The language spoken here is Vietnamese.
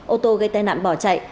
ô tô gây tai nạn bỏ chạy